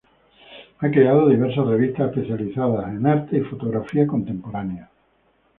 Ha creado diversas revistas especializadas en arte y fotografía contemporánea.